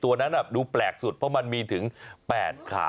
เพื่อนเอาของมาฝากเหรอคะเพื่อนมาดูลูกหมาไงหาถึงบ้านเลยแหละครับ